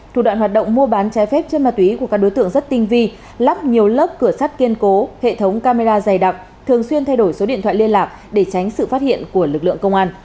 thủ đoạn hoạt động mua bán trái phép chân ma túy của các đối tượng rất tinh vi lắp nhiều lớp cửa sắt kiên cố hệ thống camera dày đặc thường xuyên thay đổi số điện thoại liên lạc để tránh sự phát hiện của lực lượng công an